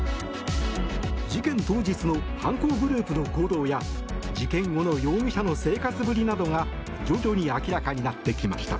事件当日の犯行グループの行動や事件後の容疑者の生活ぶりなどが徐々に明らかになってきました。